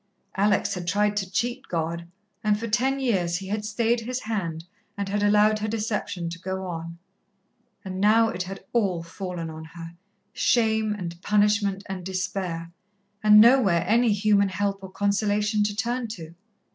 Alex had tried to cheat God, and for ten years He had stayed His hand and had allowed her deception to go on. And now it had all fallen on her shame and punishment and despair, and nowhere any human help or consolation to turn to.